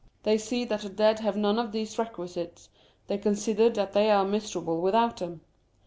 They see that the dead have none of these requisites, they consider that they are miserable without them.